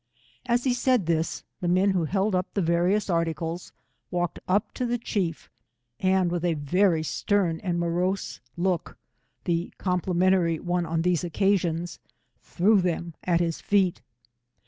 As he said this, the men who held up the various articles, walked up to the chief, and with a very stern and morose look, the complimentary one on these occasions, threw them at his feet.